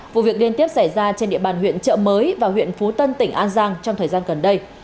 vụ việc liên tiếp xảy ra trên địa bàn huyện trợ mới và huyện phú tân tỉnh an giang trong thời gian gần đây